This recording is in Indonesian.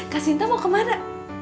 kak sinta mau kemana